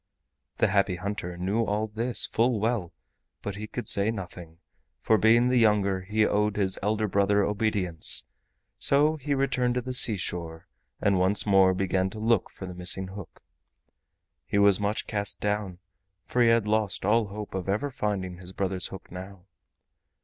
The Happy Hunter knew all this full well, but he could say nothing, for being the younger he owed his elder brother obedience; so he returned to the seashore and once more began to look for the missing hook. He was much cast down, for he had lost all hope of ever finding his brother's hook now.